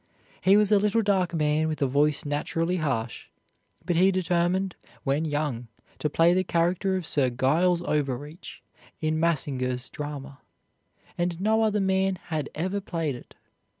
He was a little dark man with a voice naturally harsh, but he determined, when young, to play the character of Sir Giles Overreach, in Massinger's drama, as no other man had ever played it.